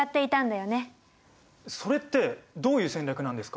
それってどういう戦略なんですか？